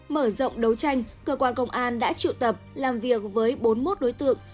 mở rộng đấu tranh cơ quan công an đã triệu tập làm việc với bốn mươi một đối tượng